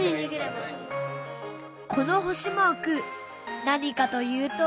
この星マーク何かというと。